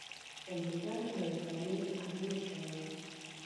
کمپیوټر او انټرنټ او نور شیان.